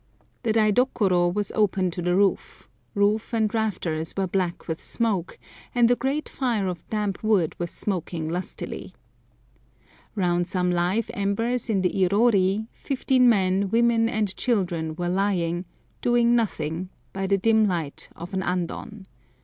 The daidokoro was open to the roof, roof and rafters were black with smoke, and a great fire of damp wood was smoking lustily. Round some live embers in the irori fifteen men, women, and children were lying, doing nothing, by the dim light of an andon.